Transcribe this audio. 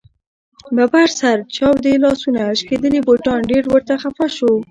ببر سر، چاودې لاسونه ، شکېدلي بوټان ډېر ورته خفه شو.